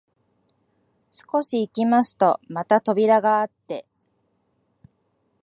少し行きますとまた扉があって、